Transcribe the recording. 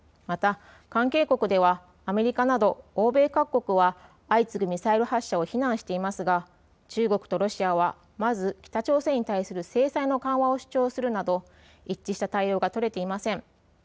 また関係国ではアメリカなど欧米各国は相次ぐミサイル発射を非難していますが中国とロシアはまず北朝鮮に対する制裁の緩和を主張するなど一致した対応が取れていません。